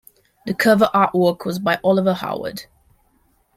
The cover artwork was by Oliver Howard.